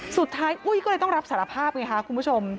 อุ้ยก็เลยต้องรับสารภาพไงค่ะคุณผู้ชม